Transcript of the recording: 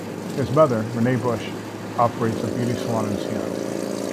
His mother, Renee Busch, operates a beauty salon in Seattle.